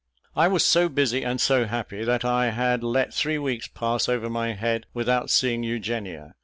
I was so busy and so happy, that I had let three weeks pass over my head without seeing Eugenia.